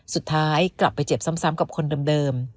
สุดท้ายกลับไปเจ็บซ้ำกับคนเดิม